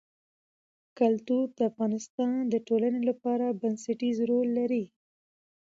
کلتور د افغانستان د ټولنې لپاره بنسټيز رول لري.